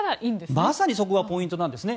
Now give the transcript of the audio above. まさにそこがポイントなんですね。